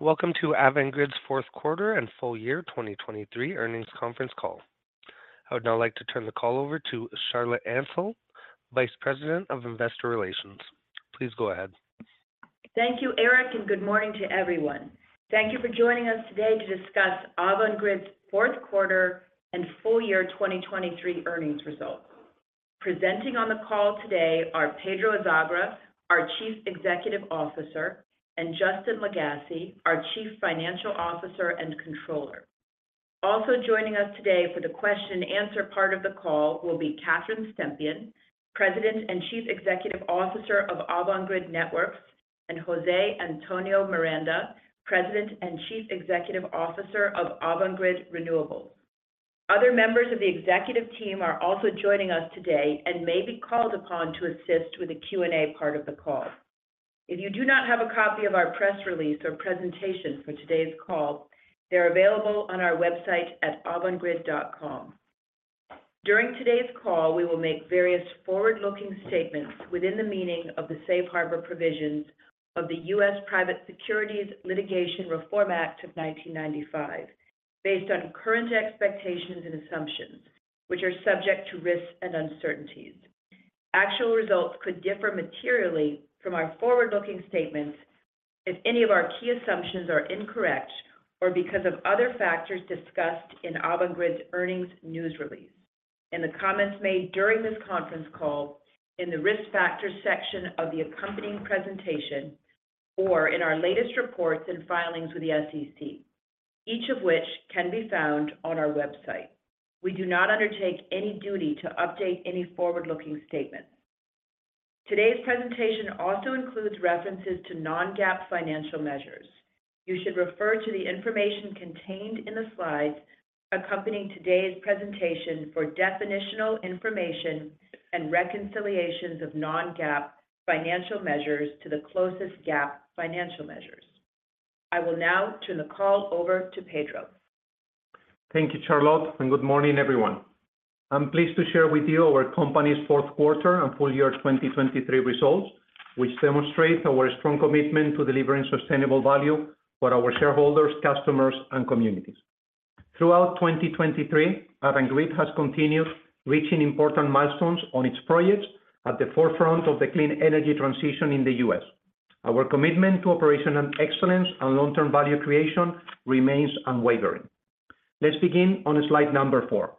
Welcome to Avangrid's fourth quarter and full year 2023 earnings conference call. I would now like to turn the call over to Charlotte Ansell, Vice President of Investor Relations. Please go ahead. Thank you, Eric, and good morning to everyone. Thank you for joining us today to discuss Avangrid's fourth quarter and full year 2023 earnings results. Presenting on the call today are Pedro Azagra, our Chief Executive Officer, and Justin Lagasse, our Chief Financial Officer and Controller. Also joining us today for the question-and-answer part of the call will be Catherine Stempien, President and Chief Executive Officer of Avangrid Networks, and Jose Antonio Miranda, President and Chief Executive Officer of Avangrid Renewables. Other members of the executive team are also joining us today and may be called upon to assist with the Q&A part of the call. If you do not have a copy of our press release or presentation for today's call, they're available on our website at avangrid.com. During today's call, we will make various forward-looking statements within the meaning of the Safe Harbor provisions of the U.S. Private Securities Litigation Reform Act of 1995 based on current expectations and assumptions, which are subject to risks and uncertainties. Actual results could differ materially from our forward-looking statements if any of our key assumptions are incorrect or because of other factors discussed in Avangrid's earnings news release, in the comments made during this conference call, in the risk factors section of the accompanying presentation, or in our latest reports and filings with the SEC, each of which can be found on our website. We do not undertake any duty to update any forward-looking statements. Today's presentation also includes references to non-GAAP financial measures. You should refer to the information contained in the slides accompanying today's presentation for definitional information and reconciliations of non-GAAP financial measures to the closest GAAP financial measures. I will now turn the call over to Pedro. Thank you, Charlotte, and good morning, everyone. I'm pleased to share with you our company's fourth quarter and full year 2023 results, which demonstrate our strong commitment to delivering sustainable value for our shareholders, customers, and communities. Throughout 2023, Avangrid has continued reaching important milestones on its projects at the forefront of the clean energy transition in the U.S. Our commitment to operational excellence and long-term value creation remains unwavering. Let's begin on slide number 4.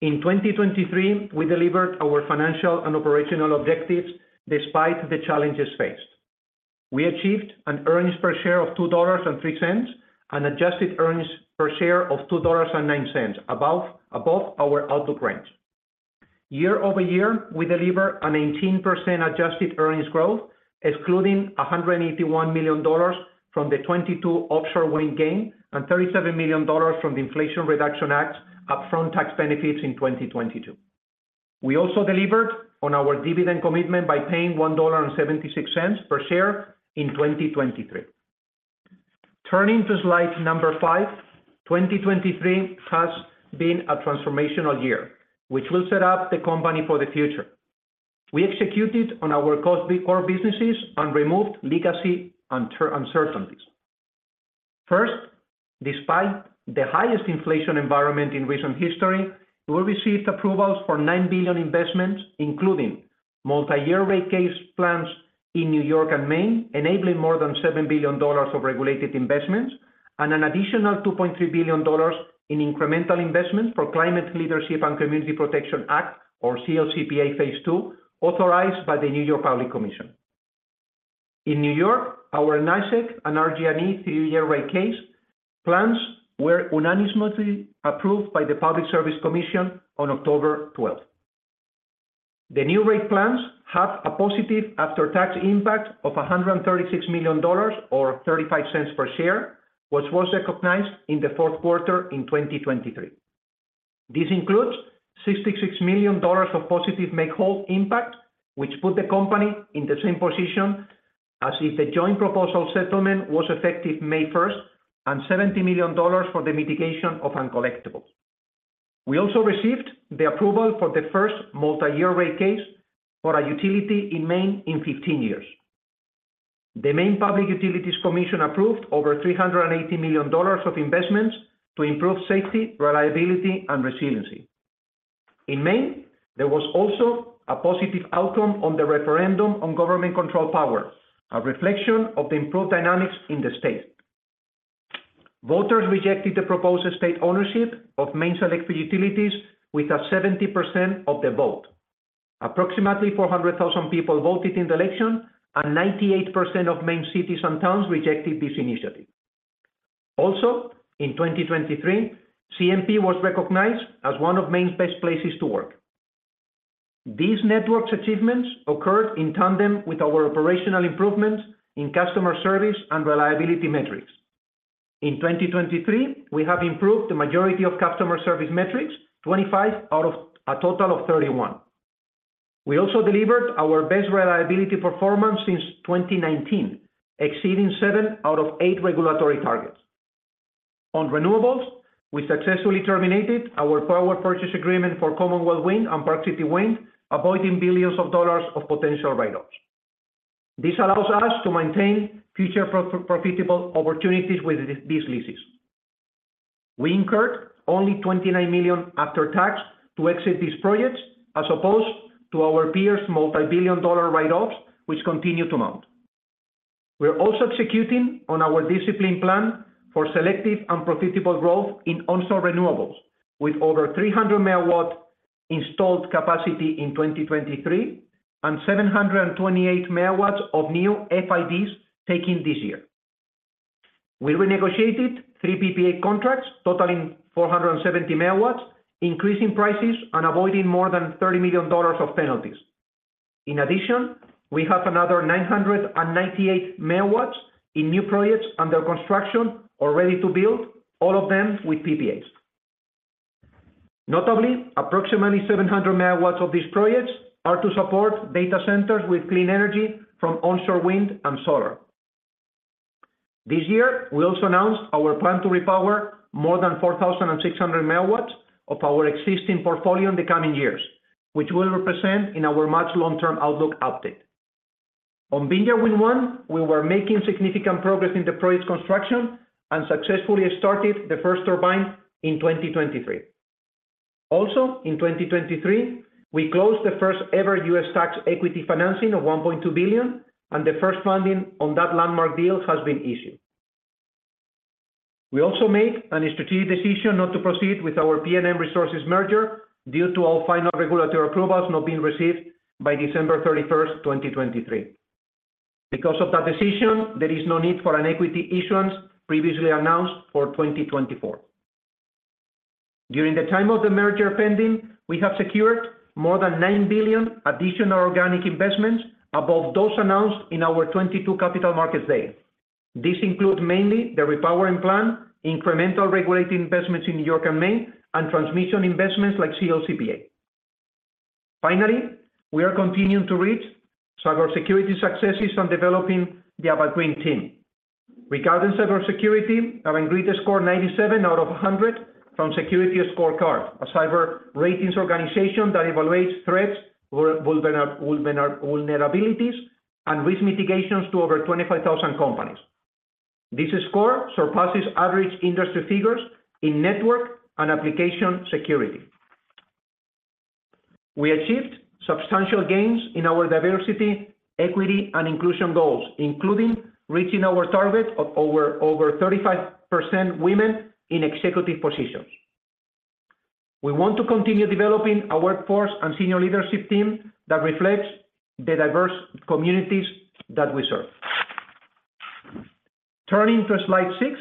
In 2023, we delivered our financial and operational objectives despite the challenges faced. We achieved an earnings per share of $2.03 and adjusted earnings per share of $2.09, above our outlook range. Year-over-year, we deliver a 19% adjusted earnings growth, excluding $181 million from the 2022 offshore wind gain and $37 million from the Inflation Reduction Act upfront tax benefits in 2022. We also delivered on our dividend commitment by paying $1.76 per share in 2023. Turning to slide 5, 2023 has been a transformational year, which will set up the company for the future. We executed on our core businesses and removed legacy uncertainties. First, despite the highest inflation environment in recent history, we received approvals for $9 billion investments, including multi-year rate case plans in New York and Maine, enabling more than $7 billion of regulated investments, and an additional $2.3 billion in incremental investments for Climate Leadership and Community Protection Act, or CLCPA Phase Two, authorized by the New York Public Service Commission. In New York, our NYSEG and RG&E three-year rate case plans were unanimously approved by the Public Service Commission on October 12th. The new rate plans have a positive after-tax impact of $136 million or $0.35 per share, which was recognized in the fourth quarter in 2023. This includes $66 million of positive make-whole impact, which put the company in the same position as if the joint proposal settlement was effective May 1st, and $70 million for the mitigation of uncollectibles. We also received the approval for the first multi-year rate case for a utility in Maine in 15 years. The Maine Public Utilities Commission approved over $380 million of investments to improve safety, reliability, and resiliency. In Maine, there was also a positive outcome on the referendum on government control power, a reflection of the improved dynamics in the state. Voters rejected the proposed state ownership of Maine's electric utilities with 70% of the vote. Approximately 400,000 people voted in the election, and 98% of Maine cities and towns rejected this initiative. Also, in 2023, CMP was recognized as one of Maine's best places to work. These networks' achievements occurred in tandem with our operational improvements in customer service and reliability metrics. In 2023, we have improved the majority of customer service metrics, 25 out of a total of 31. We also delivered our best reliability performance since 2019, exceeding 7 out of 8 regulatory targets. On renewables, we successfully terminated our power purchase agreement for Commonwealth Wind and Park City Wind, avoiding billions of dollars of potential write-offs. This allows us to maintain future profitable opportunities with these leases. We incurred only $29 million after-tax to exit these projects, as opposed to our peers' multi-billion-dollar write-offs, which continue to mount. We're also executing on our discipline plan for selective and profitable growth in onshore renewables, with over 300 MW installed capacity in 2023 and 728 MW of new FIDs taking this year. We renegotiated three PPA contracts, totaling 470 MW, increasing prices and avoiding more than $30 million of penalties. In addition, we have another 998 MW in new projects under construction or ready to build, all of them with PPAs. Notably, approximately 700 MW of these projects are to support data centers with clean energy from onshore wind and solar. This year, we also announced our plan to repower more than 4,600 MW of our existing portfolio in the coming years, which will represent in our March long-term outlook update. On Vineyard Wind One, we were making significant progress in the project's construction and successfully started the first turbine in 2023. Also, in 2023, we closed the first-ever U.S. Tax equity financing of $1.2 billion, and the first funding on that landmark deal has been issued. We also made a strategic decision not to proceed with our PNM Resources merger due to all final regulatory approvals not being received by December 31st, 2023. Because of that decision, there is no need for an equity issuance previously announced for 2024. During the time of the merger pending, we have secured more than $9 billion additional organic investments above those announced in our 2022 Capital Markets Day. This includes mainly the repowering plan, incremental regulatory investments in New York and Maine, and transmission investments like CLCPA. Finally, we are continuing to reach cybersecurity successes and developing the Avangrid team. Regarding cybersecurity, Avangrid scored 97 out of 100 from SecurityScorecard, a cyber ratings organization that evaluates threats, vulnerabilities, and risk mitigations to over 25,000 companies. This score surpasses average industry figures in network and application security. We achieved substantial gains in our diversity, equity, and inclusion goals, including reaching our target of over 35% women in executive positions. We want to continue developing a workforce and senior leadership team that reflects the diverse communities that we serve. Turning to slide 6,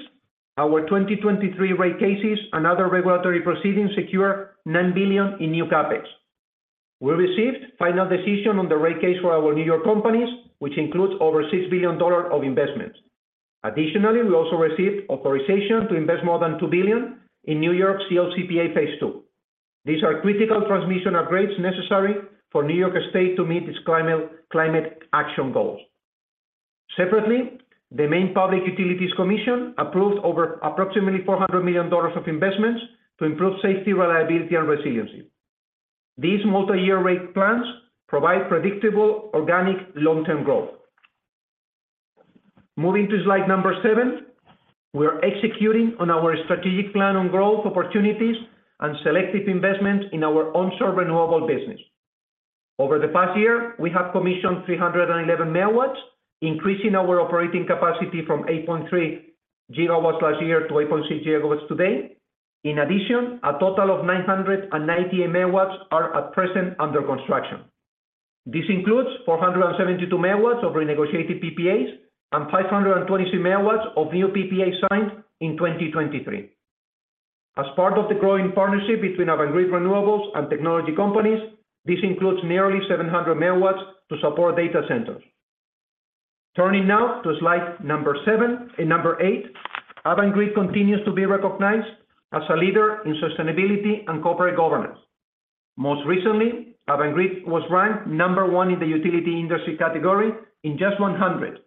our 2023 rate cases and other regulatory proceedings secure $9 billion in new CapEx. We received final decision on the rate case for our New York companies, which includes over $6 billion of investments. Additionally, we also received authorization to invest more than $2 billion in New York CLCPA Phase Two. These are critical transmission upgrades necessary for New York State to meet its climate action goals. Separately, the Maine Public Utilities Commission approved over approximately $400 million of investments to improve safety, reliability, and resiliency. These multi-year rate plans provide predictable organic long-term growth. Moving to slide 7, we are executing on our strategic plan on growth opportunities and selective investments in our onshore renewable business. Over the past year, we have commissioned 311 MW, increasing our operating capacity from 8.3 GW last year to 8.6 GW today. In addition, a total of 998 MW are at present under construction. This includes 472 MW of renegotiated PPAs and 522 MW of new PPAs signed in 2023. As part of the growing partnership between Avangrid Renewables and technology companies, this includes nearly 700 MW to support data centers. Turning now to slide 7 and 8, Avangrid continues to be recognized as a leader in sustainability and corporate governance. Most recently, Avangrid was ranked number 1 in the utility industry category in JUST 100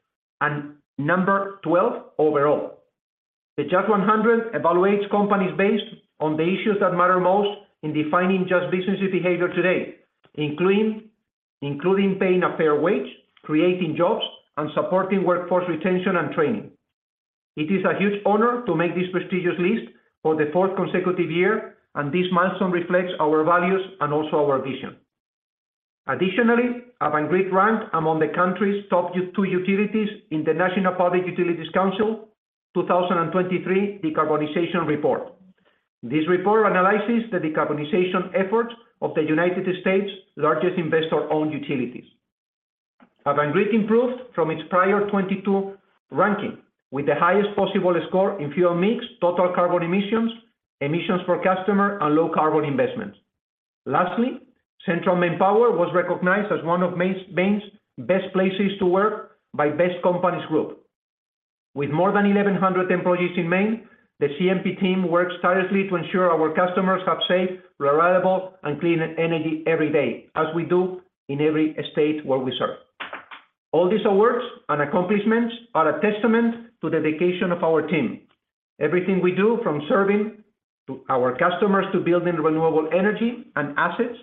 and number 12 overall. The JUST 100 evaluates companies based on the issues that matter most in defining just business behavior today, including paying a fair wage, creating jobs, and supporting workforce retention and training. It is a huge honor to make this prestigious list for the fourth consecutive year, and this milestone reflects our values and also our vision. Additionally, Avangrid ranked among the country's top two utilities in the National Public Utilities Council 2023 Decarbonization Report. This report analyzes the decarbonization efforts of the United States' largest investor-owned utilities. Avangrid improved from its prior 2022 ranking with the highest possible score in fuel mix, total carbon emissions, emissions per customer, and low carbon investments. Lastly, Central Maine Power was recognized as one of Maine's best places to work by Best Companies Group. With more than 1,100 employees in Maine, the CMP team works tirelessly to ensure our customers have safe, reliable, and clean energy every day, as we do in every state where we serve. All these awards and accomplishments are a testament to the dedication of our team. Everything we do, from serving our customers to building renewable energy and assets,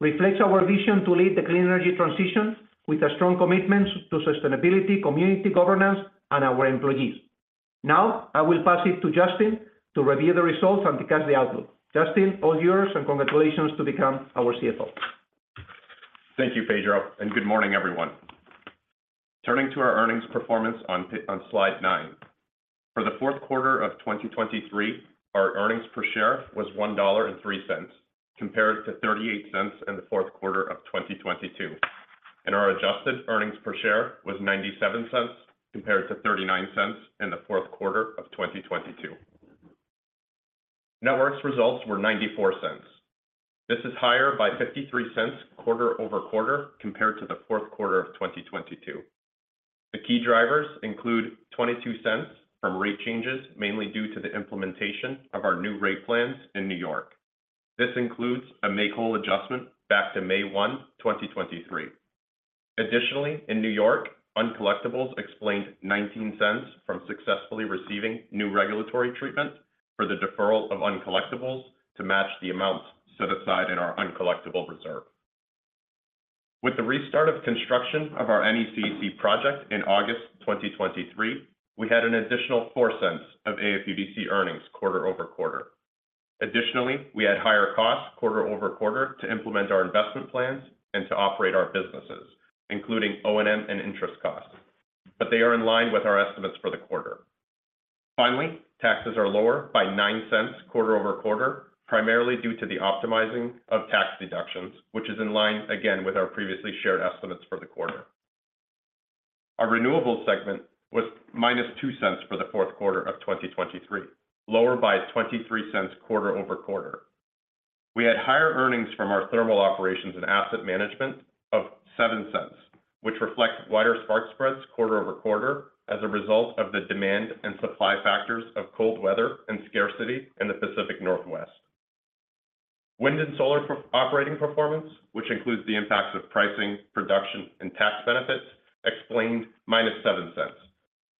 reflects our vision to lead the clean energy transition with a strong commitment to sustainability, community governance, and our employees. Now, I will pass it to Justin to review the results and discuss the outlook. Justin, all yours, and congratulations to become our CFO. Thank you, Pedro, and good morning, everyone. Turning to our earnings performance on slide 9. For the fourth quarter of 2023, our earnings per share was $1.03 compared to $0.38 in the fourth quarter of 2022, and our adjusted earnings per share was $0.97 compared to $0.39 in the fourth quarter of 2022. Networks' results were $0.94. This is higher by $0.53 quarter-over-quarter compared to the fourth quarter of 2022. The key drivers include $0.22 from rate changes, mainly due to the implementation of our new rate plans in New York. This includes a make-whole adjustment back to May 1, 2023. Additionally, in New York, uncollectibles explained $0.19 from successfully receiving new regulatory treatment for the deferral of uncollectibles to match the amounts set aside in our uncollectible reserve. With the restart of construction of our NECEC project in August 2023, we had an additional $0.04 of AFUDC earnings quarter-over-quarter. Additionally, we had higher costs quarter-over-quarter to implement our investment plans and to operate our businesses, including O&M and interest costs, but they are in line with our estimates for the quarter. Finally, taxes are lower by $0.09 quarter-over-quarter, primarily due to the optimizing of tax deductions, which is in line, again, with our previously shared estimates for the quarter. Our renewables segment was -$0.02 for the fourth quarter of 2023, lower by $0.23 quarter-over-quarter. We had higher earnings from our thermal operations and asset management of $0.07, which reflect wider spark spreads quarter-over-quarter as a result of the demand and supply factors of cold weather and scarcity in the Pacific Northwest. Wind and solar operating performance, which includes the impacts of pricing, production, and tax benefits, explained -$0.07,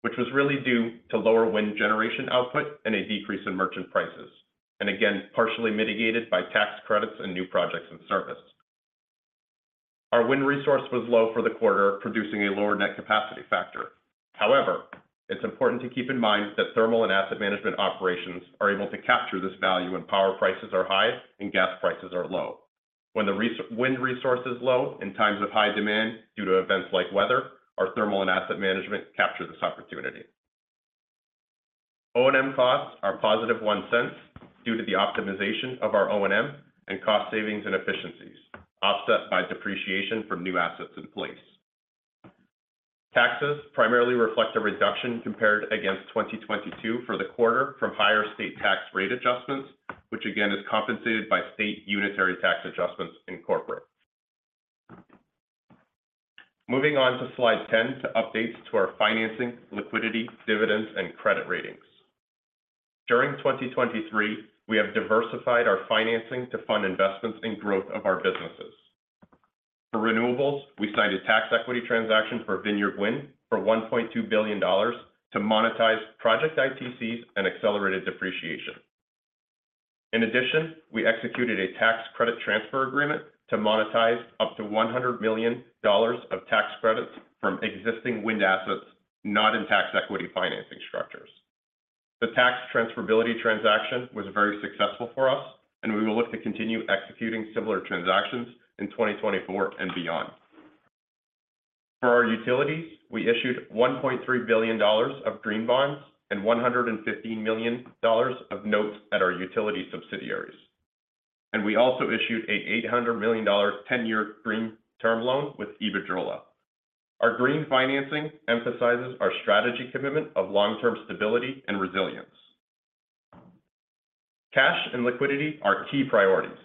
which was really due to lower wind generation output and a decrease in merchant prices, and again, partially mitigated by tax credits and new projects and service. Our wind resource was low for the quarter, producing a lower net capacity factor. However, it's important to keep in mind that thermal and asset management operations are able to capture this value when power prices are high and gas prices are low. When the wind resource is low in times of high demand due to events like weather, our thermal and asset management capture this opportunity. O&M costs are +$0.01 due to the optimization of our O&M and cost savings and efficiencies offset by depreciation from new assets in place. Taxes primarily reflect a reduction compared against 2022 for the quarter from higher state tax rate adjustments, which again is compensated by state unitary tax adjustments incorporated. Moving on to slide 10 to updates to our financing, liquidity, dividends, and credit ratings. During 2023, we have diversified our financing to fund investments in growth of our businesses. For renewables, we signed a tax equity transaction for Vineyard Wind for $1.2 billion to monetize project ITCs and accelerated depreciation. In addition, we executed a tax credit transfer agreement to monetize up to $100 million of tax credits from existing wind assets not in tax equity financing structures. The tax transferability transaction was very successful for us, and we will look to continue executing similar transactions in 2024 and beyond. For our utilities, we issued $1.3 billion of green bonds and $115 million of notes at our utility subsidiaries. We also issued an $800 million 10-year green term loan with Iberdrola. Our green financing emphasizes our strategy commitment of long-term stability and resilience. Cash and liquidity are key priorities,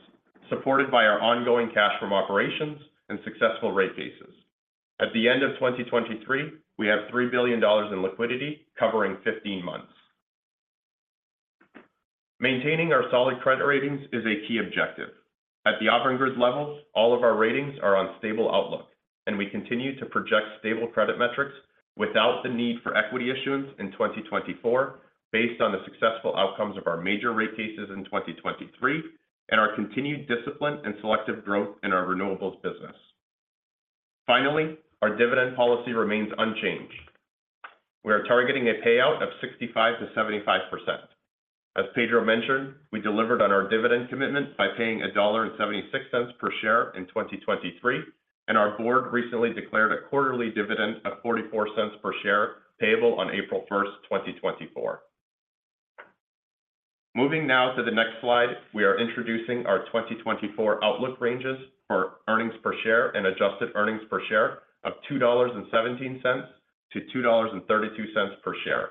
supported by our ongoing cash from operations and successful rate cases. At the end of 2023, we have $3 billion in liquidity covering 15 months. Maintaining our solid credit ratings is a key objective. At the Avangrid level, all of our ratings are on stable outlook, and we continue to project stable credit metrics without the need for equity issuance in 2024 based on the successful outcomes of our major rate cases in 2023 and our continued discipline and selective growth in our renewables business. Finally, our dividend policy remains unchanged. We are targeting a payout of 65%-75%. As Pedro mentioned, we delivered on our dividend commitment by paying $1.76 per share in 2023, and our board recently declared a quarterly dividend of $0.44 per share payable on April 1st, 2024. Moving now to the next slide, we are introducing our 2024 outlook ranges for earnings per share and adjusted earnings per share of $2.17-$2.32 per share.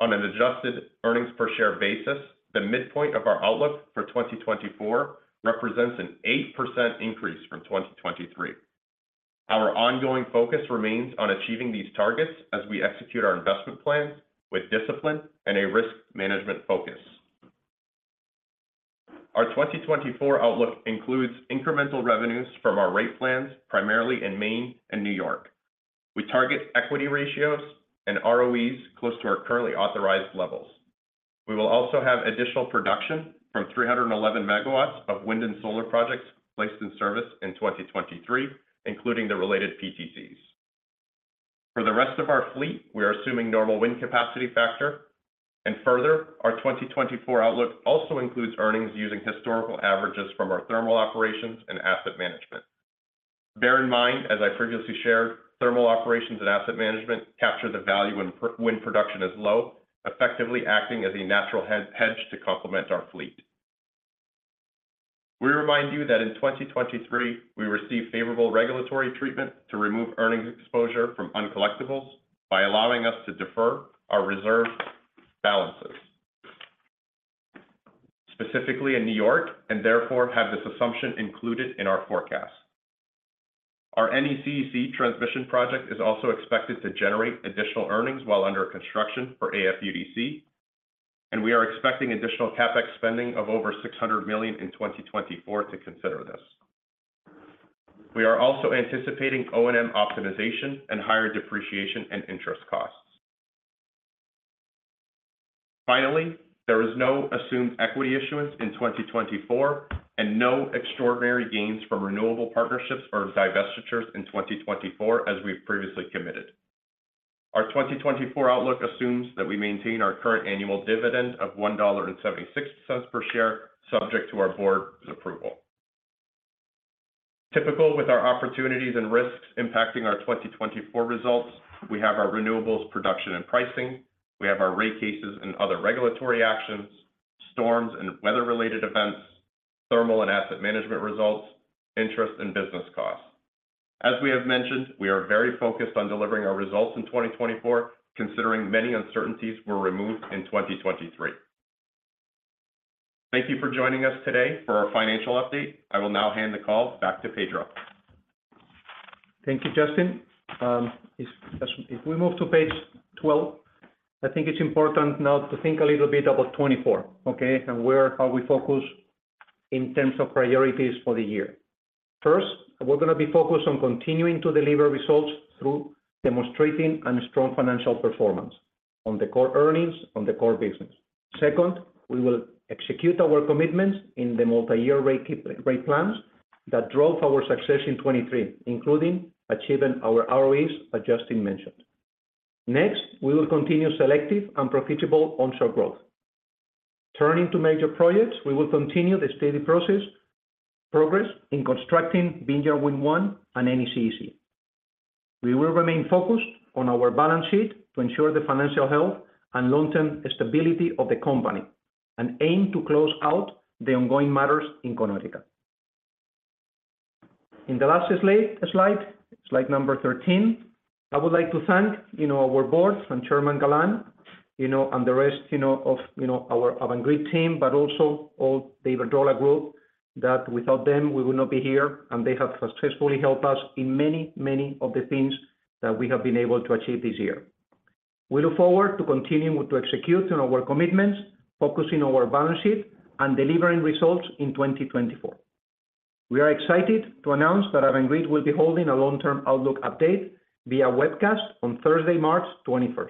On an adjusted earnings per share basis, the midpoint of our outlook for 2024 represents an 8% increase from 2023. Our ongoing focus remains on achieving these targets as we execute our investment plans with discipline and a risk management focus. Our 2024 outlook includes incremental revenues from our rate plans, primarily in Maine and New York. We target equity ratios and ROEs close to our currently authorized levels. We will also have additional production from 311 megawatts of wind and solar projects placed in service in 2023, including the related PTCs. For the rest of our fleet, we are assuming normal wind capacity factor. And further, our 2024 outlook also includes earnings using historical averages from our thermal operations and asset management. Bear in mind, as I previously shared, thermal operations and asset management capture the value when wind production is low, effectively acting as a natural hedge to complement our fleet. We remind you that in 2023, we received favorable regulatory treatment to remove earnings exposure from uncollectibles by allowing us to defer our reserve balances, specifically in New York, and therefore have this assumption included in our forecast. Our NECEC transmission project is also expected to generate additional earnings while under construction for AFUDC, and we are expecting additional CapEx spending of over $600 million in 2024 to consider this. We are also anticipating O&M optimization and higher depreciation and interest costs. Finally, there is no assumed equity issuance in 2024 and no extraordinary gains from renewable partnerships or divestitures in 2024, as we've previously committed. Our 2024 outlook assumes that we maintain our current annual dividend of $1.76 per share, subject to our board's approval. Typical with our opportunities and risks impacting our 2024 results, we have our renewables production and pricing. We have our rate cases and other regulatory actions, storms and weather-related events, thermal and asset management results, interest, and business costs. As we have mentioned, we are very focused on delivering our results in 2024, considering many uncertainties were removed in 2023. Thank you for joining us today for our financial update. I will now hand the call back to Pedro. Thank you, Justin. If we move to page 12, I think it's important now to think a little bit about 2024, okay, and how we focus in terms of priorities for the year. First, we're going to be focused on continuing to deliver results through demonstrating a strong financial performance on the core earnings, on the core business. Second, we will execute our commitments in the multi-year rate plans that drove our success in 2023, including achieving our ROEs that Justin mentioned. Next, we will continue selective and profitable onshore growth. Turning to major projects, we will continue the steady progress in constructing Vineyard Wind One and NECEC. We will remain focused on our balance sheet to ensure the financial health and long-term stability of the company and aim to close out the ongoing matters in Connecticut. In the last slide, slide number 13, I would like to thank our board and Chairman Galán and the rest of our Avangrid team, but also all the Iberdrola group, that without them, we would not be here, and they have successfully helped us in many, many of the things that we have been able to achieve this year. We look forward to continuing to execute our commitments, focusing on our balance sheet, and delivering results in 2024. We are excited to announce that Avangrid will be holding a long-term outlook update via webcast on Thursday, March 21st.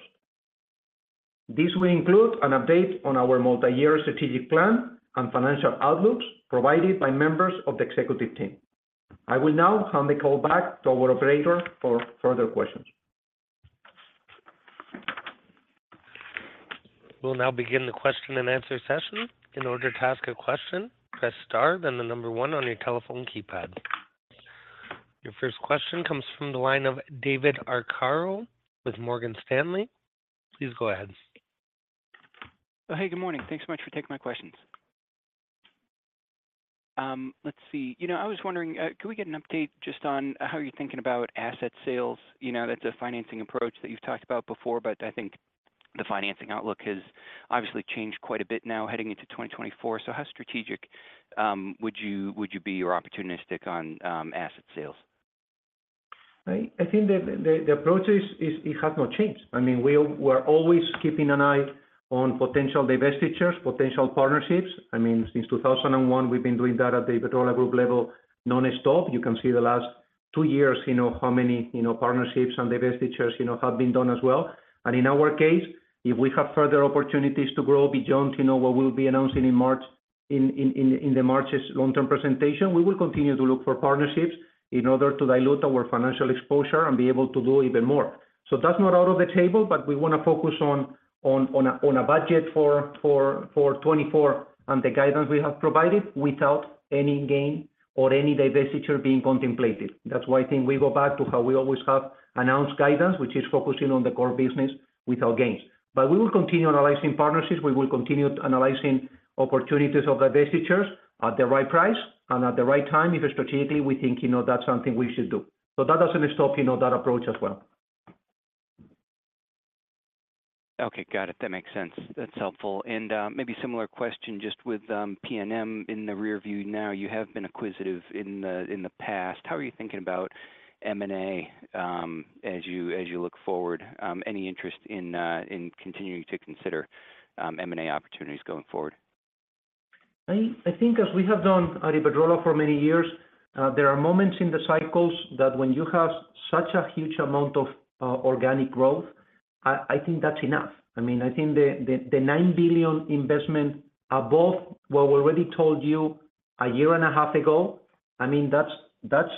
This will include an update on our multi-year strategic plan and financial outlooks provided by members of the executive team. I will now hand the call back to our operator for further questions. We'll now begin the question and answer session. In order to ask a question, press star, then the number one on your telephone keypad. Your first question comes from the line of David Arcaro with Morgan Stanley. Please go ahead. Hey, good morning. Thanks so much for taking my questions. Let's see. I was wondering, could we get an update just on how you're thinking about asset sales? That's a financing approach that you've talked about before, but I think the financing outlook has obviously changed quite a bit now heading into 2024. So how strategic would you be or opportunistic on asset sales? I think the approach has not changed. I mean, we are always keeping an eye on potential divestitures, potential partnerships. I mean, since 2001, we've been doing that at the EBITDA group level nonstop. You can see the last two years how many partnerships and divestitures have been done as well. And in our case, if we have further opportunities to grow beyond what we'll be announcing in March in the March's long-term presentation, we will continue to look for partnerships in order to dilute our financial exposure and be able to do even more. So that's not out of the table, but we want to focus on a budget for 2024 and the guidance we have provided without any gain or any divestiture being contemplated. That's why I think we go back to how we always have announced guidance, which is focusing on the core business without gains. But we will continue analyzing partnerships. We will continue analyzing opportunities of divestitures at the right price and at the right time if strategically we think that's something we should do. So that doesn't stop that approach as well. Okay. Got it. That makes sense. That's helpful. And maybe similar question just with PNM in the rearview now. You have been acquisitive in the past. How are you thinking about M&A as you look forward? Any interest in continuing to consider M&A opportunities going forward? I think as we have done at EBITDA for many years, there are moments in the cycles that when you have such a huge amount of organic growth, I think that's enough. I mean, I think the $9 billion investment above what we already told you a year and a half ago, I mean, that's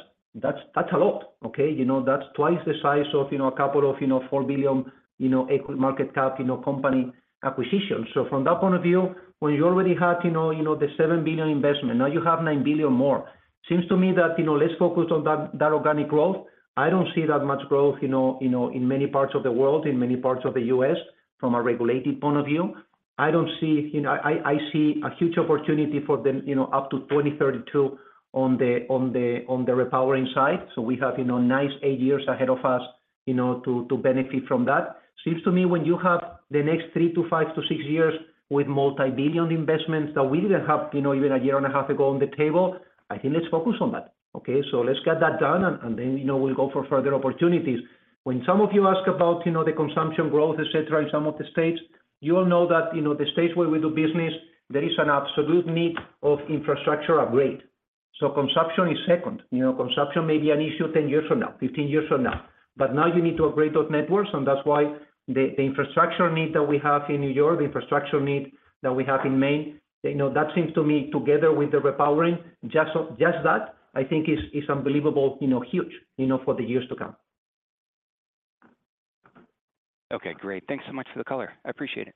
a lot, okay? That's twice the size of a couple of $4 billion equity market cap company acquisitions. So from that point of view, when you already had the $7 billion investment, now you have $9 billion more. Seems to me that let's focus on that organic growth. I don't see that much growth in many parts of the world, in many parts of the US from a regulated point of view. I don't see I see a huge opportunity for them up to 2032 on the repowering side. So we have nice eight years ahead of us to benefit from that. Seems to me when you have the next three to five to six years with multi-billion investments that we didn't have even a year and a half ago on the table, I think let's focus on that, okay? So let's get that done, and then we'll go for further opportunities. When some of you ask about the consumption growth, etc., in some of the states, you all know that the states where we do business, there is an absolute need of infrastructure upgrade. So consumption is second. Consumption may be an issue 10 years from now, 15 years from now. But now you need to upgrade those networks, and that's why the infrastructure need that we have in New York, the infrastructure need that we have in Maine, that seems to me together with the repowering, just that, I think is unbelievably huge for the years to come. Okay. Great. Thanks so much for the color. I appreciate it.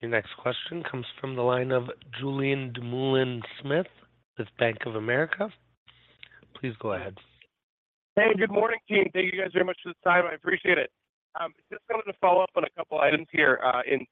Your next question comes from the line of Julian Dumoulin-Smith with Bank of America. Please go ahead. Hey, good morning, team. Thank you guys very much for the time. I appreciate it. Just wanted to follow up on a couple of items here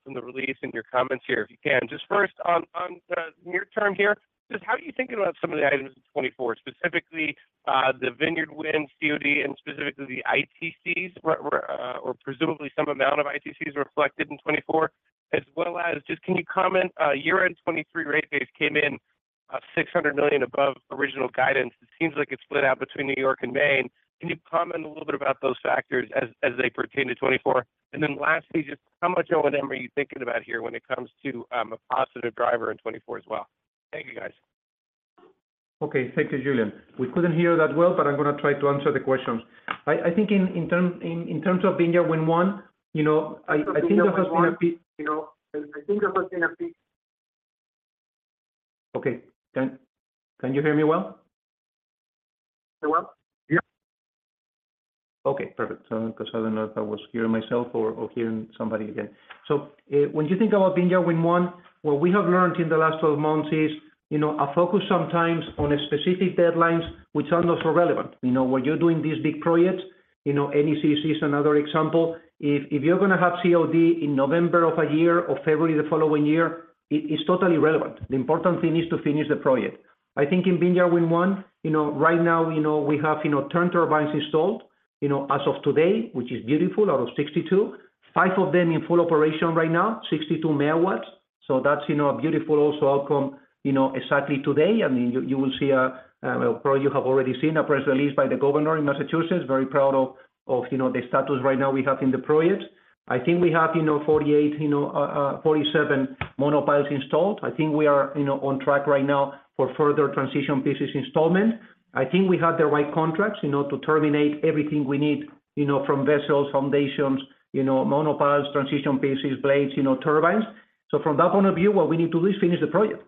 from the release and your comments here if you can. Just first, on the near-term here, just how are you thinking about some of the items in 2024, specifically the Vineyard Wind COD and specifically the ITCs, or presumably some amount of ITCs reflected in 2024, as well as just can you comment year-end 2023 rate case came in $600 million above original guidance? It seems like it's split out between New York and Maine. Can you comment a little bit about those factors as they pertain to 2024? And then lastly, just how much O&M are you thinking about here when it comes to a positive driver in 2024 as well? Thank you, guys. Okay. Thank you, Julian. We couldn't hear that well, but I'm going to try to answer the questions. I think in terms of Vineyard Wind One, I think there has been a bit. I think there has been a bit. Okay. Can you hear me well? You're well? Yeah. Okay. Perfect. Because I don't know if I was hearing myself or hearing somebody again. So when you think about Vineyard Wind One, what we have learned in the last 12 months is a focus sometimes on specific deadlines which are not so relevant. When you're doing these big projects, NECEC is another example. If you're going to have COD in November of a year or February the following year, it's totally relevant. The important thing is to finish the project. I think in Vineyard Wind One, right now, we have ten turbines installed as of today, which is beautiful, out of 62. Five of them in full operation right now, 62 MW. So that's a beautiful also outcome exactly today. I mean, you will see, well, probably you have already seen a press release by the governor in Massachusetts. Very proud of the status right now we have in the project. I think we have 48, 47 monopiles installed. I think we are on track right now for further transition pieces installation. I think we have the right contracts to terminate everything we need from vessels, foundations, monopiles, transition pieces, blades, turbines. So from that point of view, what we need to do is finish the project.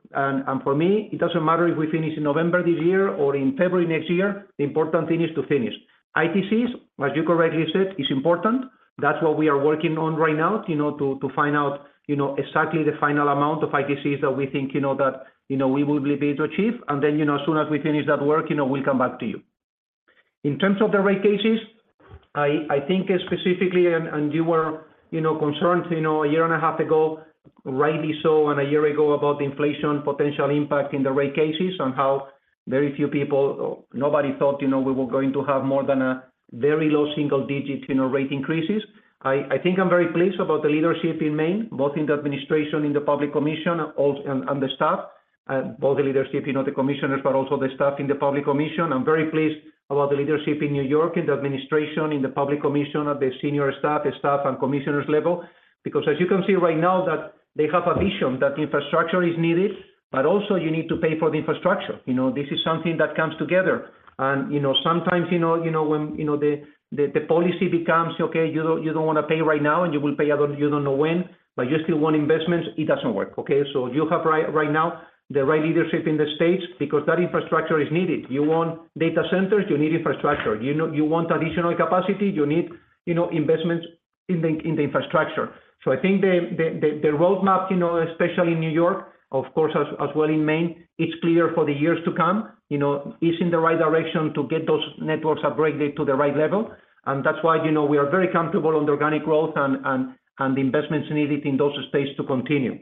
For me, it doesn't matter if we finish in November this year or in February next year. The important thing is to finish. ITCs, as you correctly said, is important. That's what we are working on right now to find out exactly the final amount of ITCs that we think that we will be able to achieve. Then as soon as we finish that work, we'll come back to you. In terms of the rate cases, I think specifically, and you were concerned a year and a half ago, rightly so, and a year ago about the inflation potential impact in the rate cases and how very few people, nobody thought we were going to have more than a very low single-digit rate increases. I think I'm very pleased about the leadership in Maine, both in the administration, in the public commission, and the staff, both the leadership, the commissioners, but also the staff in the public commission. I'm very pleased about the leadership in New York, in the administration, in the public commission, at the senior staff, staff, and commissioners level because as you can see right now that they have a vision that infrastructure is needed, but also you need to pay for the infrastructure. This is something that comes together. And sometimes when the policy becomes, "Okay, you don't want to pay right now, and you will pay you don't know when, but you still want investments," it doesn't work, okay? So you have right now the right leadership in the states because that infrastructure is needed. You want data centers. You need infrastructure. You want additional capacity. You need investments in the infrastructure. So I think the roadmap, especially in New York, of course, as well in Maine, it's clear for the years to come, is in the right direction to get those networks upgraded to the right level. And that's why we are very comfortable on the organic growth and the investments needed in those states to continue.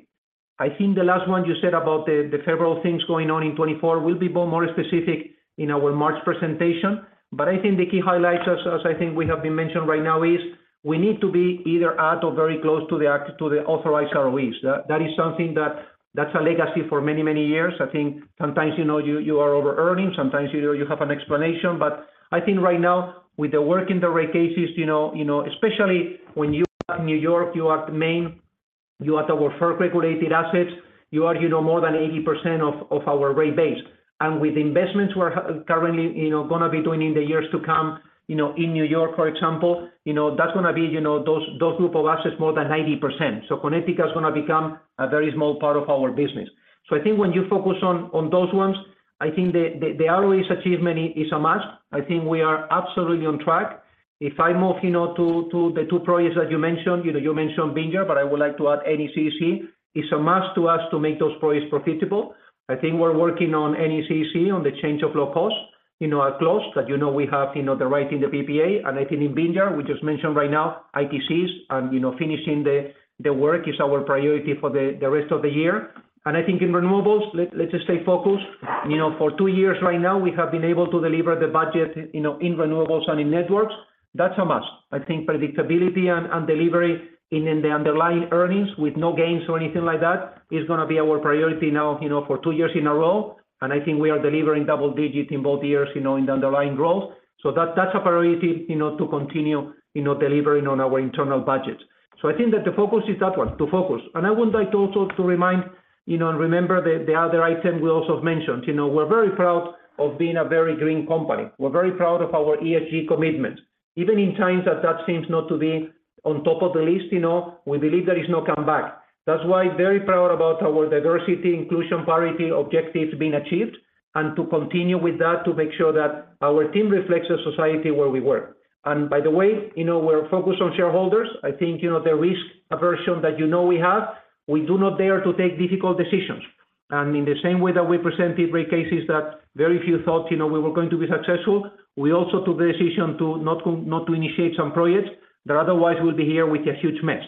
I think the last one you said about the several things going on in 2024 will be more specific in our March presentation. But I think the key highlights, as I think we have been mentioned right now, is we need to be either at or very close to the authorized ROEs. That is something that's a legacy for many, many years. I think sometimes you are over-earning. Sometimes you have an explanation. But I think right now, with the work in the rate cases, especially when you are in New York, you are in Maine, you are at our first regulated assets, you are more than 80% of our rate base. And with investments we are currently going to be doing in the years to come in New York, for example, that's going to be those group of assets more than 90%. So Connecticut is going to become a very small part of our business. So I think when you focus on those ones, I think the ROEs achievement is a must. I think we are absolutely on track. If I move to the two projects that you mentioned, you mentioned Vineyard, but I would like to add NECEC. It's a must to us to make those projects profitable. I think we're working on NECEC, on the Change of Law, a clause that we have the right in the PPA. I think in Vineyard, we just mentioned right now, ITCs and finishing the work is our priority for the rest of the year. I think in renewables, let's just stay focused. For two years right now, we have been able to deliver the budget in renewables and in networks. That's a must. I think predictability and delivery in the underlying earnings with no gains or anything like that is going to be our priority now for two years in a row. I think we are delivering double-digit in both years in the underlying growth. So that's a priority to continue delivering on our internal budgets. So I think that the focus is that one, to focus. And I would like also to remind and remember the other item we also mentioned. We're very proud of being a very green company. We're very proud of our ESG commitments. Even in times that that seems not to be on top of the list, we believe there is no comeback. That's why very proud about our diversity, inclusion, parity objectives being achieved and to continue with that to make sure that our team reflects the society where we work. And by the way, we're focused on shareholders. I think the risk aversion that we have, we do not dare to take difficult decisions. In the same way that we presented rate cases that very few thought we were going to be successful, we also took the decision to not initiate some projects that otherwise will be here with a huge mess,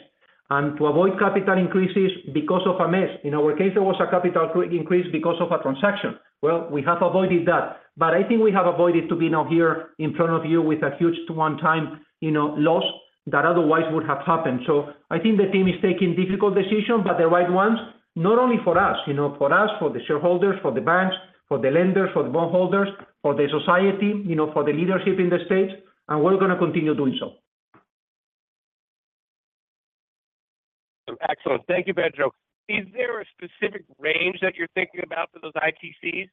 and to avoid capital increases because of a mess. In our case, there was a capital increase because of a transaction. Well, we have avoided that. But I think we have avoided to be now here in front of you with a huge one-time loss that otherwise would have happened. So I think the team is taking difficult decisions, but the right ones, not only for us, for us, for the shareholders, for the banks, for the lenders, for the bondholders, for the society, for the leadership in the states. And we're going to continue doing so. Excellent. Thank you, Pedro. Is there a specific range that you're thinking about for those ITCs?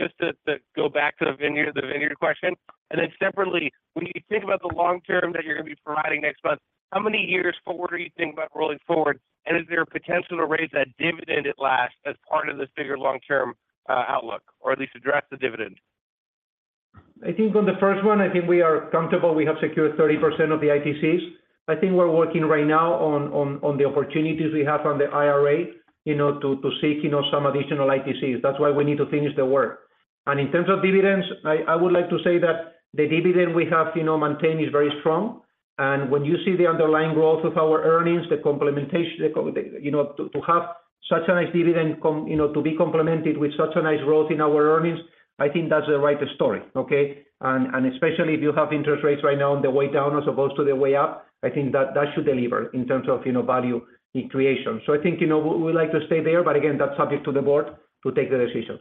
Just to go back to the Vineyard question. And then separately, when you think about the long-term that you're going to be providing next month, how many years forward are you thinking about rolling forward? And is there a potential to raise that dividend at last as part of this bigger long-term outlook or at least address the dividend? I think on the first one, I think we are comfortable. We have secured 30% of the ITCs. I think we're working right now on the opportunities we have on the IRA to seek some additional ITCs. That's why we need to finish the work. And in terms of dividends, I would like to say that the dividend we have maintained is very strong. And when you see the underlying growth of our earnings, the complementation to have such a nice dividend, to be complemented with such a nice growth in our earnings, I think that's the right story, okay? And especially if you have interest rates right now on the way down as opposed to the way up, I think that should deliver in terms of value in creation. So I think we would like to stay there. But again, that's subject to the board to take the decisions.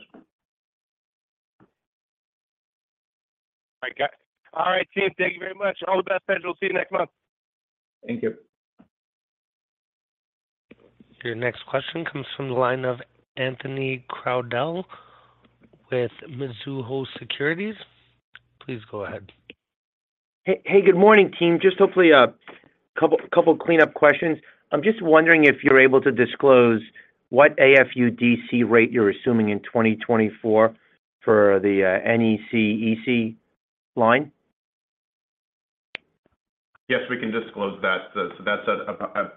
All right, team. Thank you very much. All the best, Pedro. See you next month. Thank you. Your next question comes from the line of Anthony Crowdell with Mizuho Securities. Please go ahead. Hey, good morning, team. Just hopefully a couple of cleanup questions. I'm just wondering if you're able to disclose what AFUDC rate you're assuming in 2024 for the NECEC line? Yes, we can disclose that. So that's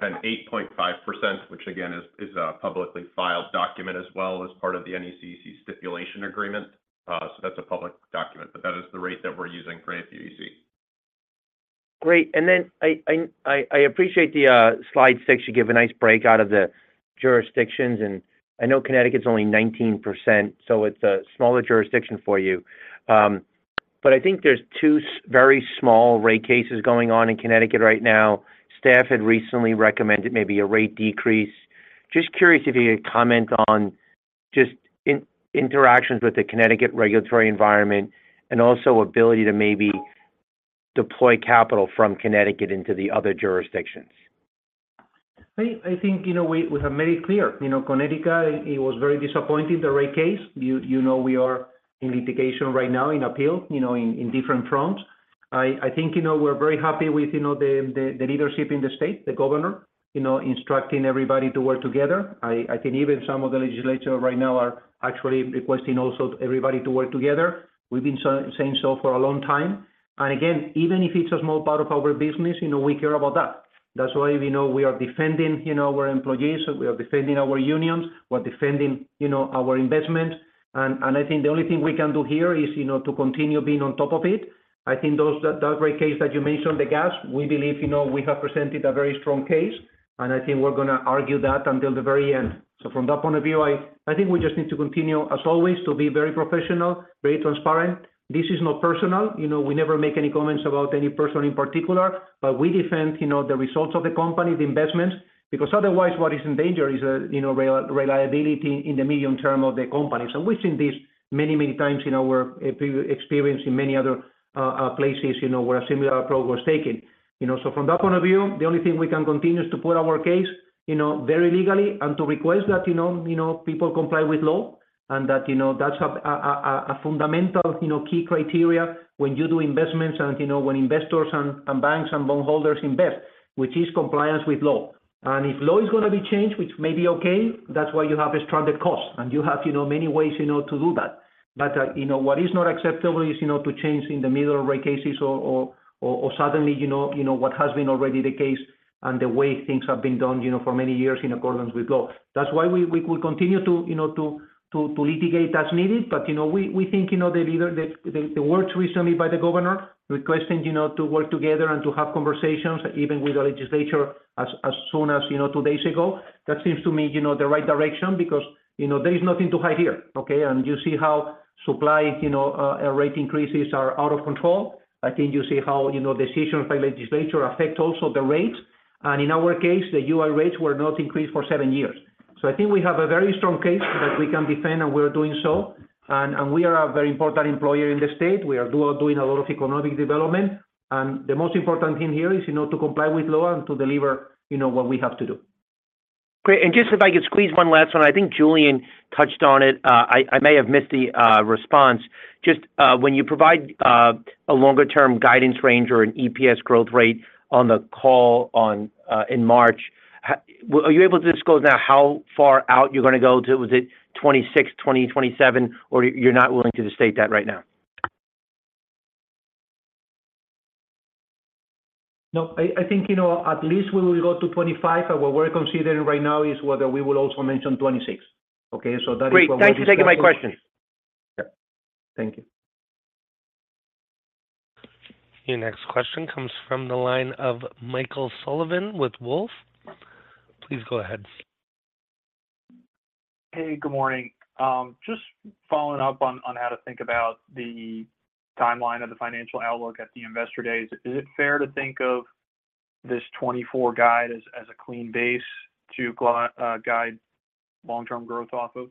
an 8.5%, which, again, is a publicly filed document as well as part of the NECEC stipulation agreement. So that's a public document. But that is the rate that we're using for AFUDC. Great. And then I appreciate the slide six. You gave a nice breakout of the jurisdictions. And I know Connecticut's only 19%, so it's a smaller jurisdiction for you. But I think there's two very small rate cases going on in Connecticut right now. Staff had recently recommended maybe a rate decrease. Just curious if you could comment on just interactions with the Connecticut regulatory environment and also ability to maybe deploy capital from Connecticut into the other jurisdictions? I think we have made it clear. Connecticut, it was very disappointing, the rate case. We are in litigation right now, in appeal, in different fronts. I think we're very happy with the leadership in the state, the governor, instructing everybody to work together. I think even some of the legislature right now are actually requesting also everybody to work together. We've been saying so for a long time. And again, even if it's a small part of our business, we care about that. That's why we are defending our employees. We are defending our unions. We're defending our investments. And I think the only thing we can do here is to continue being on top of it. I think that rate case that you mentioned, the gas, we believe we have presented a very strong case. And I think we're going to argue that until the very end. So from that point of view, I think we just need to continue, as always, to be very professional, very transparent. This is not personal. We never make any comments about any person in particular. But we defend the results of the company, the investments. Because otherwise, what is in danger is reliability in the medium term of the company. And we've seen this many, many times in our experience in many other places where a similar approach was taken. So from that point of view, the only thing we can continue is to put our case very legally and to request that people comply with law and that that's a fundamental key criteria when you do investments and when investors and banks and bondholders invest, which is compliance with law. And if law is going to be changed, which may be okay, that's why you have a stronger case. You have many ways to do that. But what is not acceptable is to change in the middle of rate cases or suddenly what has been already the case and the way things have been done for many years in accordance with law. That's why we will continue to litigate as needed. But we think the words recently by the governor requesting to work together and to have conversations even with the legislature as soon as two days ago, that seems to me the right direction because there is nothing to hide here, okay? You see how supply rate increases are out of control. I think you see how decisions by legislature affect also the rates. In our case, the UI rates were not increased for seven years. I think we have a very strong case that we can defend, and we're doing so. We are a very important employer in the state. We are doing a lot of economic development. The most important thing here is to comply with law and to deliver what we have to do. Great. Just if I could squeeze one last one, I think Julian touched on it. I may have missed the response. Just when you provide a longer-term guidance range or an EPS growth rate on the call in March, are you able to disclose now how far out you're going to go to? Was it 2026, 2020, 2027, or you're not willing to state that right now? No, I think at least we will go to 25. What we're considering right now is whether we will also mention 26, okay? So that is what we're considering. Great. Thank you for taking my question. Yeah. Thank you. Your next question comes from the line of Michael Sullivan with Wolfe. Please go ahead. Hey, good morning. Just following up on how to think about the timeline of the financial outlook at the investor days. Is it fair to think of this 2024 guide as a clean base to guide long-term growth off of?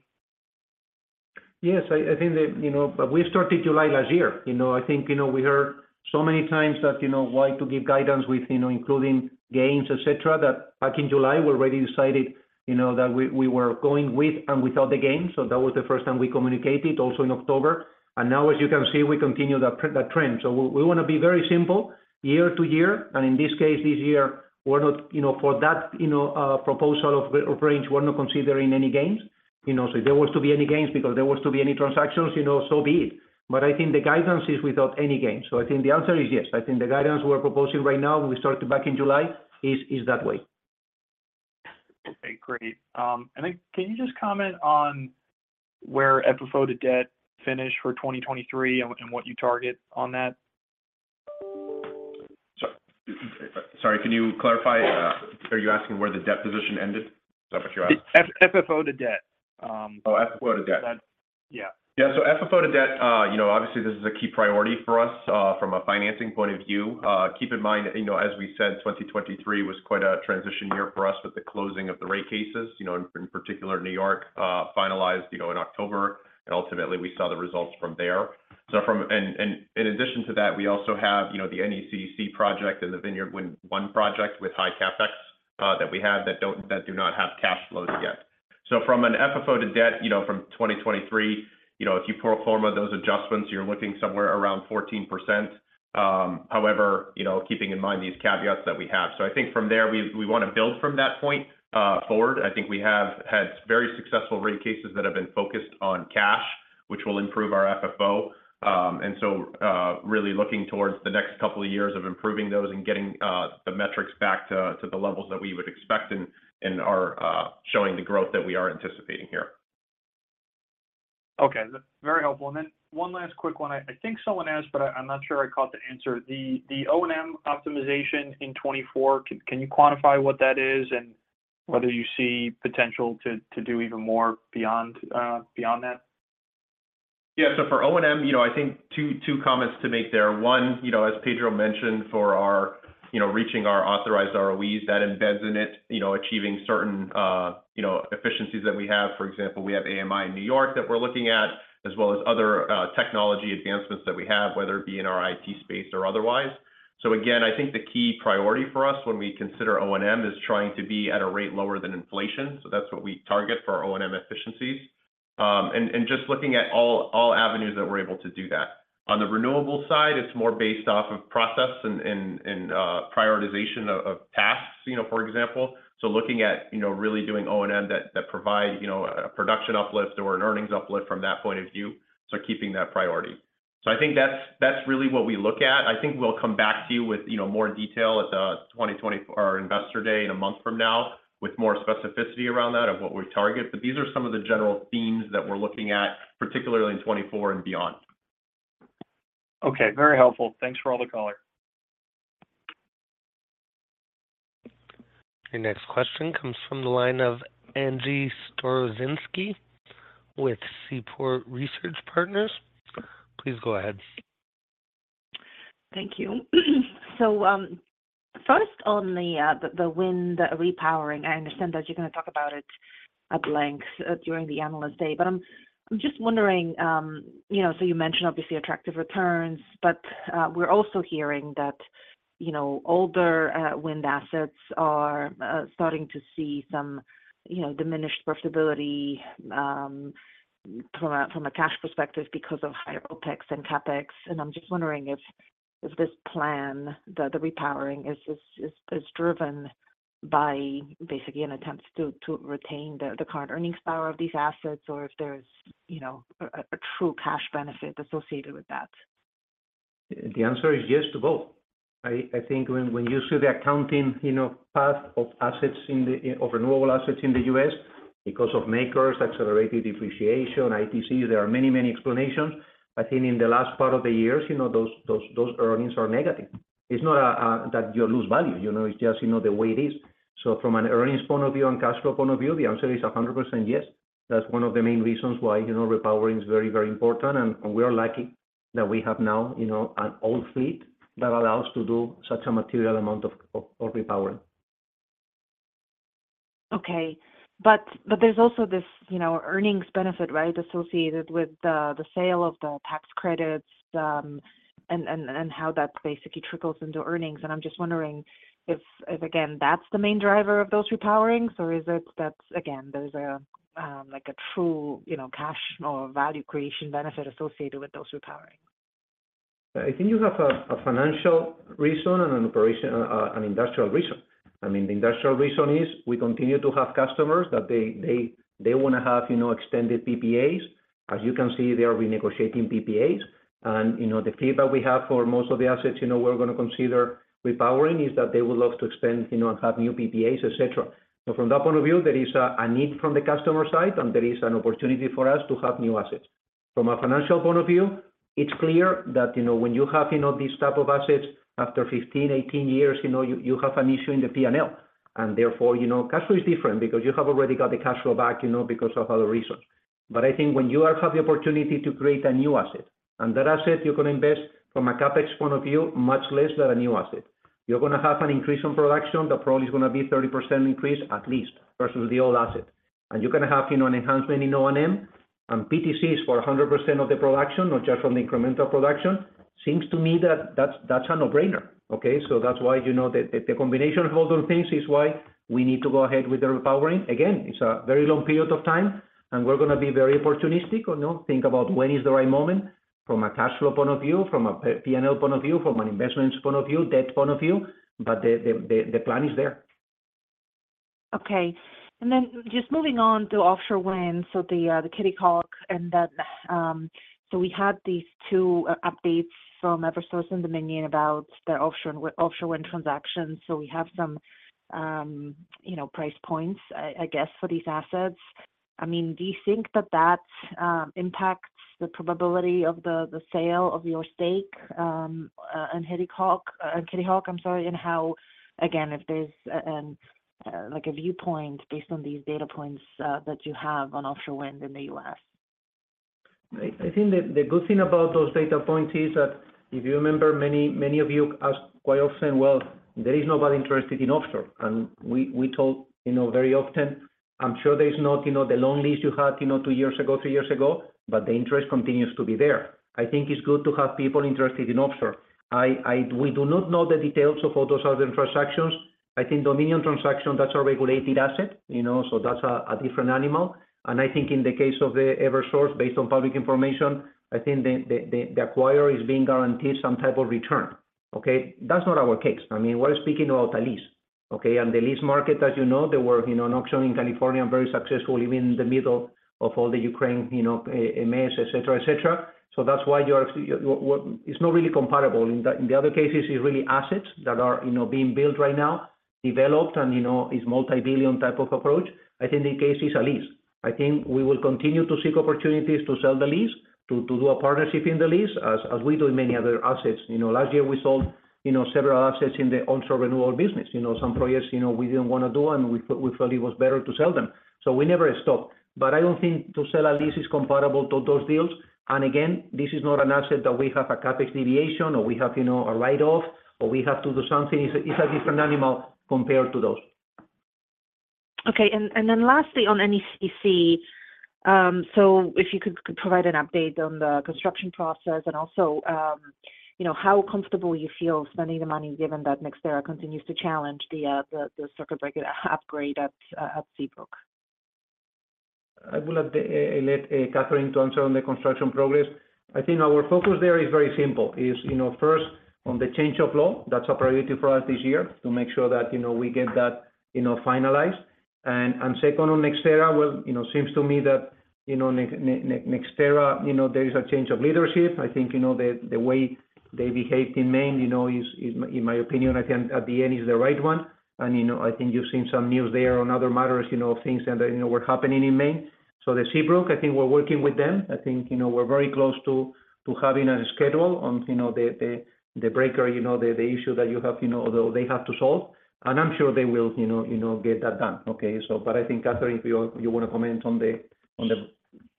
Yes, I think that we started July last year. I think we heard so many times that why to give guidance with including gains, etc., that back in July, we already decided that we were going with and without the gains. So that was the first time we communicated, also in October. And now, as you can see, we continue that trend. So we want to be very simple year to year. And in this case, this year, for that proposal of range, we're not considering any gains. So if there was to be any gains because there was to be any transactions, so be it. But I think the guidance is without any gains. So I think the answer is yes. I think the guidance we're proposing right now, when we started back in July, is that way. Okay, great. And then can you just comment on where FFO to debt finished for 2023 and what you target on that? Sorry. Can you clarify? Are you asking where the debt position ended? Is that what you're asking? FFO to Debt. Oh, FFO to Debt. Yeah. Yeah, so FFO to Debt, obviously, this is a key priority for us from a financing point of view. Keep in mind, as we said, 2023 was quite a transition year for us with the closing of the rate cases, in particular, New York finalized in October. And ultimately, we saw the results from there. And in addition to that, we also have the NECEC project and the Vineyard Wind One project with high capex that we have that do not have cash flows yet. So from an FFO to Debt from 2023, if you perform those adjustments, you're looking somewhere around 14%. However, keeping in mind these caveats that we have. So I think from there, we want to build from that point forward. I think we have had very successful rate cases that have been focused on cash, which will improve our FFO. And so really looking towards the next couple of years of improving those and getting the metrics back to the levels that we would expect and showing the growth that we are anticipating here. Okay, very helpful. And then one last quick one. I think someone asked, but I'm not sure I caught the answer. The O&M optimization in 2024, can you quantify what that is and whether you see potential to do even more beyond that? Yeah, so for O&M, I think two comments to make there. One, as Pedro mentioned, for reaching our authorized ROEs, that embeds in it achieving certain efficiencies that we have. For example, we have AMI in New York that we're looking at, as well as other technology advancements that we have, whether it be in our IT space or otherwise. So again, I think the key priority for us when we consider O&M is trying to be at a rate lower than inflation. So that's what we target for our O&M efficiencies. And just looking at all avenues that we're able to do that. On the renewable side, it's more based off of process and prioritization of tasks, for example. So looking at really doing O&M that provide a production uplift or an earnings uplift from that point of view. So keeping that priority. I think that's really what we look at. I think we'll come back to you with more detail at our investor day in a month from now with more specificity around that of what we target. These are some of the general themes that we're looking at, particularly in 2024 and beyond. Okay, very helpful. Thanks for all the caller. Your next question comes from the line of Angie Storozynski with Seaport Research Partners. Please go ahead. Thank you. First, on the wind repowering, I understand that you're going to talk about it at length during the analyst day. But I'm just wondering, so you mentioned, obviously, attractive returns, but we're also hearing that older wind assets are starting to see some diminished profitability from a cash perspective because of higher OpEx and CapEx. And I'm just wondering if this plan, the repowering, is driven by, basically, an attempt to retain the current earnings power of these assets or if there's a true cash benefit associated with that. The answer is yes to both. I think when you see the accounting path of renewable assets in the U.S. because of MACRS, accelerated depreciation, ITCs, there are many, many explanations. I think in the last part of the years, those earnings are negative. It's not that you lose value. It's just the way it is. So from an earnings point of view and cash flow point of view, the answer is 100% yes. That's one of the main reasons why repowering is very, very important. And we are lucky that we have now an old fleet that allows us to do such a material amount of repowering. Okay, but there's also this earnings benefit, right, associated with the sale of the tax credits and how that basically trickles into earnings. And I'm just wondering if, again, that's the main driver of those repowerings, or is it that, again, there's a true cash or value creation benefit associated with those repowerings? I think you have a financial reason and an industrial reason. I mean, the industrial reason is we continue to have customers that they want to have extended PPAs. As you can see, they are renegotiating PPAs. And the feedback we have for most of the assets we're going to consider repowering is that they would love to expand and have new PPAs, etc. So from that point of view, there is a need from the customer side, and there is an opportunity for us to have new assets. From a financial point of view, it's clear that when you have these types of assets, after 15, 18 years, you have an issue in the P&L. And therefore, cash flow is different because you have already got the cash flow back because of other reasons. But I think when you have the opportunity to create a new asset, and that asset you're going to invest from a CapEx point of view, much less than a new asset. You're going to have an increase in production that probably is going to be 30% increase, at least, versus the old asset. You're going to have an enhancement in O&M and PTCs for 100% of the production, not just from the incremental production. Seems to me that that's a no-brainer, okay? So that's why the combination of all those things is why we need to go ahead with the repowering. Again, it's a very long period of time, and we're going to be very opportunistic or think about when is the right moment from a cash flow point of view, from a P&L point of view, from an investments point of view, debt point of view. But the plan is there. Okay. And then just moving on to offshore wind, so the Kitty Hawk. And then so we had these two updates from Eversource and Dominion about the offshore wind transactions. So we have some price points, I guess, for these assets. I mean, do you think that that impacts the probability of the sale of your stake in Kitty Hawk? I'm sorry, in how, again, if there's a viewpoint based on these data points that you have on offshore wind in the U.S.? I think the good thing about those data points is that if you remember, many of you ask quite often, "Well, there is nobody interested in offshore." And we told very often, "I'm sure there's not the long list you had 2 years ago, 3 years ago, but the interest continues to be there." I think it's good to have people interested in offshore. We do not know the details of all those other transactions. I think Dominion transaction, that's a regulated asset. So that's a different animal. And I think in the case of Eversource, based on public information, I think the acquirer is being guaranteed some type of return, okay? That's not our case. I mean, we're speaking about a lease, okay? And the lease market, as you know, there were an auction in California very successful, even in the middle of all the Ukraine mess, etc., etc. So that's why it's not really comparable. In the other cases, it's really assets that are being built right now, developed, and it's multibillion type of approach. I think the case is a lease. I think we will continue to seek opportunities to sell the lease, to do a partnership in the lease, as we do in many other assets. Last year, we sold several assets in the onshore renewable business. Some projects we didn't want to do, and we felt it was better to sell them. So we never stopped. But I don't think to sell a lease is comparable to those deals. And again, this is not an asset that we have a CapEx deviation or we have a write-off or we have to do something. It's a different animal compared to those. Okay. And then lastly, on NECEC, so if you could provide an update on the construction process and also how comfortable you feel spending the money given that NextEra continues to challenge the circuit breaker upgrade at Seabrook? I will let Catherine to answer on the construction progress. I think our focus there is very simple. It's first on the change of law. That's a priority for us this year to make sure that we get that finalized. Second on NextEra, well, it seems to me that NextEra, there is a change of leadership. I think the way they behaved in Maine, in my opinion, I think at the end is the right one. I think you've seen some news there on other matters of things that were happening in Maine. The Seabrook, I think we're working with them. I think we're very close to having a schedule on the breaker, the issue that you have, although they have to solve. And I'm sure they will get that done, okay? But I think, Catherine, if you want to comment on the construction.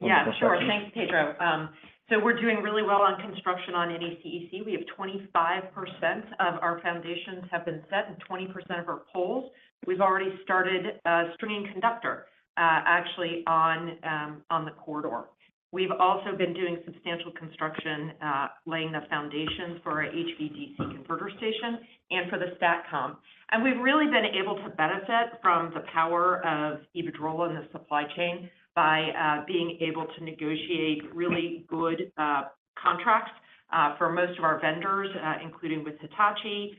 Yeah, sure. Thanks, Pedro. So we're doing really well on construction on NECEC. We have 25% of our foundations have been set and 20% of our poles. We've already started stringing conductor, actually, on the corridor. We've also been doing substantial construction, laying the foundations for our HVDC converter station and for the STATCOM. And we've really been able to benefit from the power of Iberdrola and the supply chain by being able to negotiate really good contracts for most of our vendors, including with Hitachi,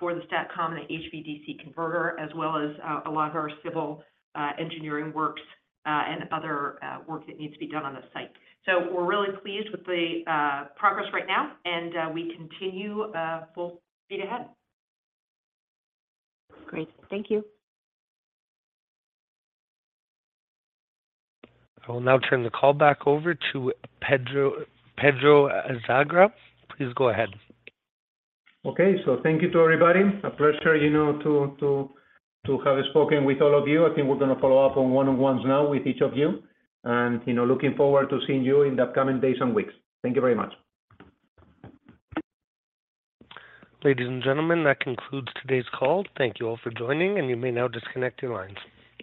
for the STATCOM and the HVDC converter, as well as a lot of our civil engineering works and other work that needs to be done on the site. So we're really pleased with the progress right now, and we continue full speed ahead. Great. Thank you. I will now turn the call back over to Pedro Azagra. Please go ahead. Okay, so thank you to everybody. A pleasure to have spoken with all of you. I think we're going to follow up on one-on-ones now with each of you. Looking forward to seeing you in the coming days and weeks. Thank you very much. Ladies and gentlemen, that concludes today's call. Thank you all for joining, and you may now disconnect your lines.